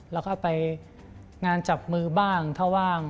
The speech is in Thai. แล้วก็ไปงานจับมือบ้างถ้าว่าง